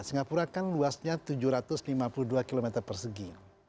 singapura kan luasnya tujuh ratus lima puluh dua km persegi